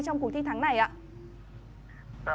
trong cuộc thi tháng này ạ